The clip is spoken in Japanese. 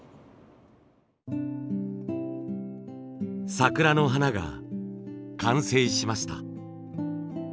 桜の花が完成しました。